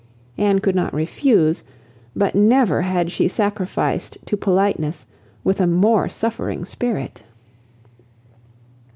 Anne could not refuse; but never had she sacrificed to politeness with a more suffering spirit.